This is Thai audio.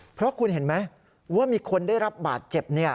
เพราะคุณเห็นไหมว่ามีคนได้รับบาดเจ็บ